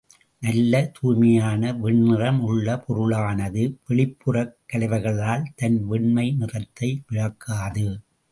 நல்ல தூய்மையான வெண்ணிறம் உள்ள பொருளானது வெளிப்புறக் கலவைகளால் தன் வெண்மை நிறத்தை இழக்காது.